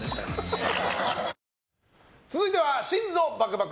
続いては、心臓バクバク！